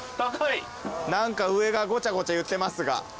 何か上がごちゃごちゃ言ってますが。